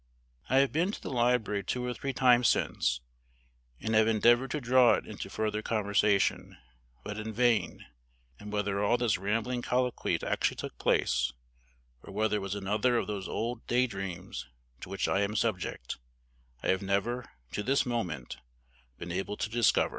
I have been to the library two or three times since, and have endeavored to draw it into further conversation, but in vain; and whether all this rambling colloquy actually took place, or whether it was another of those old day dreams to which I am subject, I have never, to this moment, been able to discover.